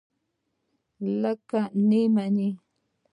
اگه يې نه مني.